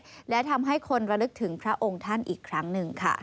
และทำให้คนระลึกถึงพระองค์ท่านอีกครั้งหนึ่งค่ะ